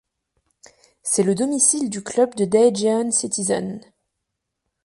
C'est le domicile du club de Daejeon Citizen.